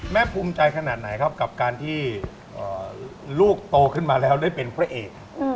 ภูมิใจขนาดไหนครับกับการที่ลูกโตขึ้นมาแล้วได้เป็นพระเอก